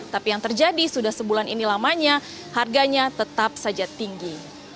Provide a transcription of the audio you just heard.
tapi yang terjadi sudah sebulan ini lamanya harganya tetap saja tinggi